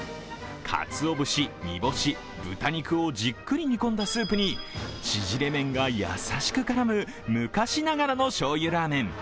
かつお節、煮干し、豚肉をじっくり煮込んだスープに縮れ麺がやさしく絡む、昔ながらのしょうゆラーメン。